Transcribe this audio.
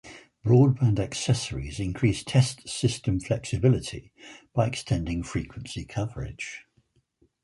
Broadband accessories increase test system flexibility by extending frequency coverage.